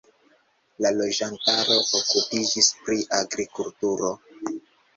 La loĝantaro okupiĝis pri agrikulturo.